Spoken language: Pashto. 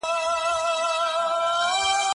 اوس به لښکري د دښمن د چا په زور ماتوو